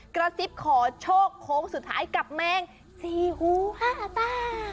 กระซิบขอโชคโค้งสุดท้ายกับแมงสี่หูห้าตา